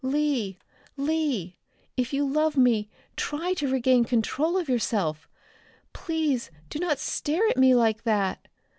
"Lee! Lee! If you love me try to regain control of yourself. Please do not stare at me like that.